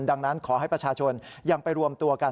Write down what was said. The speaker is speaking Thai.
ดังนั้นขอให้ประชาชนยังไปรวมตัวกัน